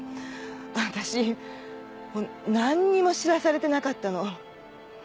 私何にも知らされてなかったの！